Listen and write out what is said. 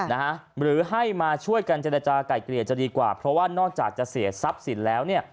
หรือให้มาช่วยกันเจรจาก่ายเกลี่ยจะดีกว่าเพราะว่านอกจากจะเสียทรัพย์สินแล้วเนี่ย